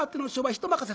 人任せ。